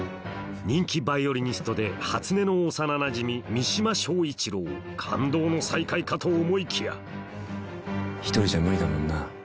人気ヴァイオリニストで初音の幼なじみ三島彰一郎感動の再会かと思いきや一人じゃ無理だもんな。